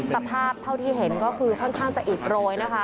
สภาพเท่าที่เห็นก็คือค่อนข้างจะอิดโรยนะคะ